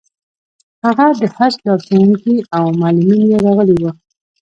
هغه د حج لارښوونکي او معلمین چې راغلي وو.